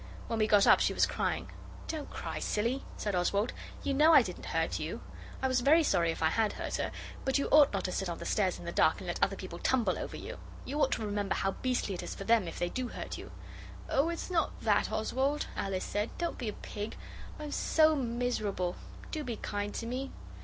When we got up she was crying. 'Don't cry silly!' said Oswald; 'you know I didn't hurt you.' I was very sorry if I had hurt her, but you ought not to sit on the stairs in the dark and let other people tumble over you. You ought to remember how beastly it is for them if they do hurt you. 'Oh, it's not that, Oswald,' Alice said. 'Don't be a pig! I am so miserable. Do be kind to me.